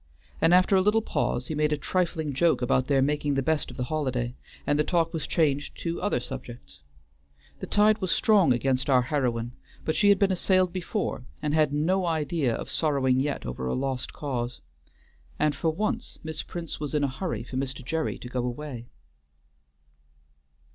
And after a little pause he made a trifling joke about their making the best of the holiday, and the talk was changed to other subjects. The tide was strong against our heroine, but she had been assailed before, and had no idea of sorrowing yet over a lost cause. And for once Miss Prince was in a hurry for Mr. Gerry to go away.